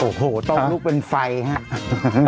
โอ้โฮโต๊ะลุกเป็นไฟฮะ